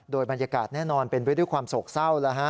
โดยบรรยากาศแน่นอนเป็นไปด้วยความโศกเศร้าแล้วฮะ